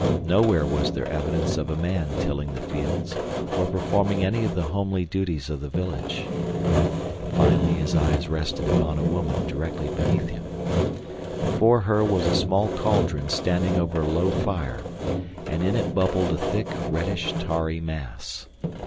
Nowhere was there evidence of a man tilling the fields or performing any of the homely duties of the village. Finally his eyes rested upon a woman directly beneath him. Before her was a small cauldron standing over a low fire and in it bubbled a thick, reddish, tarry mass.